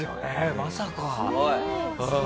まさか。